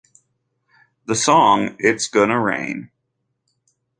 The song It's Gonna Rain!